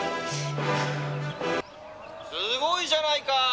「すごいじゃないか！